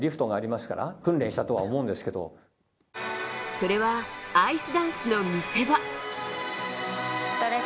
それはアイスダンスの見せ場。